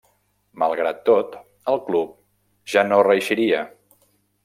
Malgrat tot, el club ja no reeixiria.